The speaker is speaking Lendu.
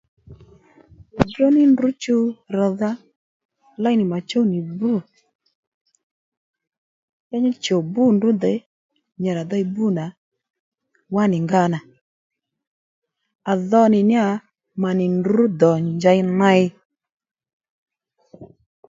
Ddròddróní ndrǔ chuw rr̀dha à léy nì mà chuw nì bbû ya nyi chùw bbû ndrǔ dè nyi rà dey bbû nà wá nì nga nà à dho nì ní yà mà nì ndrǔ dò njèy ney